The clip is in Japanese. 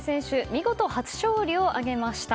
見事、初勝利を挙げました。